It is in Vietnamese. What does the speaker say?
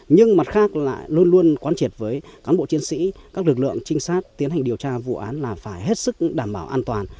nhưng mặt khác lại luôn luôn quán triệt với cán bộ chiến sĩ các lực lượng trinh sát tiến hành điều tra vụ án là phải hết sức đảm bảo an toàn